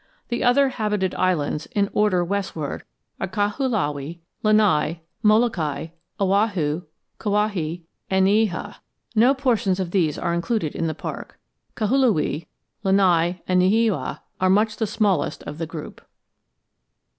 The other habited islands, in order westward, are Kahoolawe, Lanai, Molokai, Oahu, Kauai, and Niihau; no portions of these are included in the park. Kahoolawe, Lanai, and Niihau are much the smallest of the group.